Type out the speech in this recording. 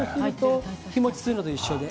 日もちするのと一緒で。